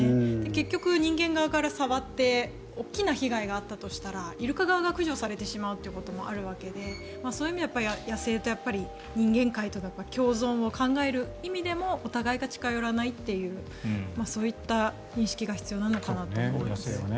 結局、人間側から触って大きな被害があったとしたらイルカ側が駆除されてしまうこともあるわけでそういう意味では野生と人間界との共存を考える意味でもお互いが近寄らないというそういった認識が必要なのかなと思います。